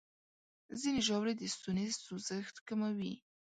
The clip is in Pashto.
ځینې ژاولې د ستوني سوځښت کموي.